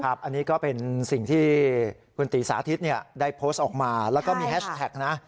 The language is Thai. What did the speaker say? อันนี้ก็เป็นสิ่งที่คุณตีสาธิตได้โพสต์ออกมาแล้วก็มีแฮชแท็กนะ